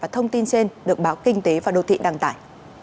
thông tin trên được báo kinh tế và đô thị đăng tải